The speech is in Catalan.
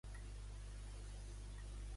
Què en pensen, de l'afirmació de Borrell?